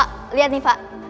pak liat nih pak